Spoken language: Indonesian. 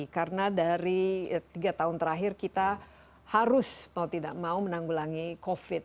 karena dari tiga tahun terakhir kita harus mau tidak mau menanggulangi covid